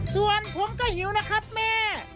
ส่วนผมก็หิวนะครับแม่